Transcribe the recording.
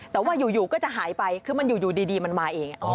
แต่ว่าอยู่ก็จะหายไปคือมันอยู่ดีมันมาเอง